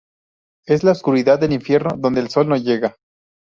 Es la oscuridad del Infierno, donde el sol no llega.